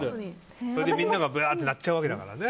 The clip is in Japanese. それでみんながバーっと鳴っちゃうわけだからね。